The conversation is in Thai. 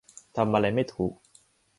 ทำอะไรไม่ถูก